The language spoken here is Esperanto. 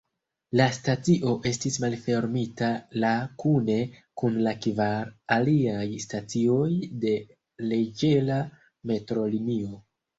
La stacio estis malfermita la kune kun la kvar aliaj stacioj de leĝera metrolinio.